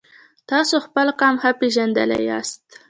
تاسو خپل قام ښه پیژندلی یاست.